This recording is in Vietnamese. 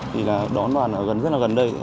thì là đón đoàn ở rất là gần đây